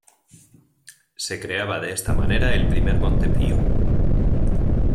Se creaba de esta manera el primer Montepío.